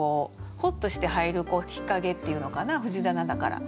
ほっとして入る日陰っていうのかな藤棚だから。